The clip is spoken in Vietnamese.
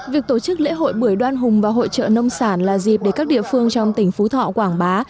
việc tổ chức lễ hội bưởi đoan hùng và hội trợ nông sản là dịp để các địa phương trong tỉnh phú thọ quảng bá